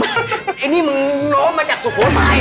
อันนี้มันนมมาจากสุโภนภาย